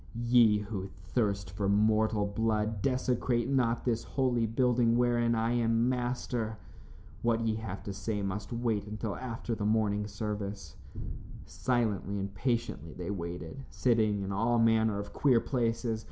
"Ye who thirst for mortal blood, desecrate not this holy building wherein I am master. What ye have to say must wait until after the morning service." Silently and patiently they waited, sitting in all manner of queer places.